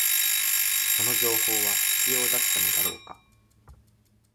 その情報は必要だったのだろうか